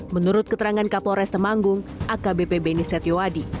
menurut keterangan kapolres temanggung akbp beniset yowadi